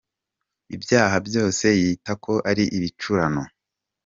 Ibyaha byose yita ko ari ibicurano.